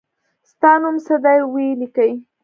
ستا نوم څه دی وي لیکی